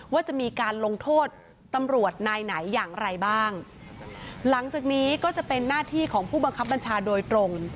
ว่าจะมีการลงโทษตำรวจนายไหนอย่างไรบ้างหลังจากนี้ก็จะเป็นหน้าที่ของผู้บังคับบัญชาโดยตรง